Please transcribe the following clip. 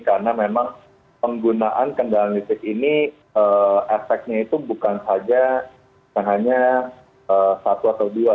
karena memang penggunaan kendala listrik ini efeknya itu bukan saja hanya satu atau dua